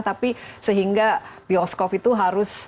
tapi sehingga bioskop itu harus